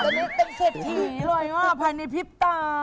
แต่นี่เป็นเศรษฐีเลยมากภายในพิษตา